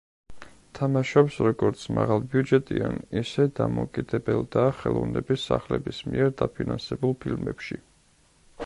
თამაშობს როგორც მაღალბიუჯეტიან, ისე დამოუკიდებელ და ხელოვნების სახლების მიერ დაფინანსებულ ფილმებში.